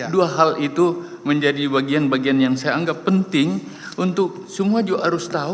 dua hal itu menjadi bagian bagian yang saya anggap penting untuk semua juga harus tahu